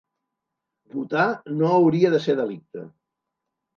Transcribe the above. Votar no hauria de ser delicte